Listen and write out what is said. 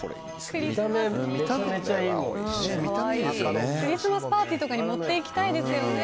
クリスマスパーティーとかに持っていきたいですよね。